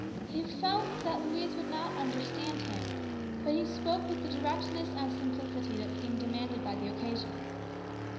He felt that Louise would not understand him, but he spoke with the directness and simplicity that seemed demanded by the occasion.